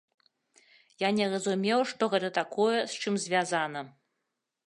Я не разумеў, што гэта такое, з чым звязана.